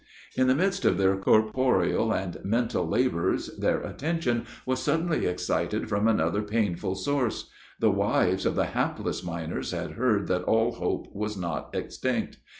In the midst of their corporeal and mental labors, their attention was suddenly excited from another painful source. The wives of the hapless miners had heard that all hope was not extinct.